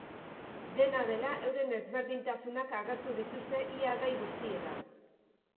Dena dela, euren ezberdintasunak agertu dituzte ia gai guztietan.